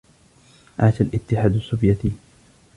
عاش الاتحاد السوفياتي!